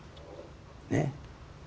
ねっ。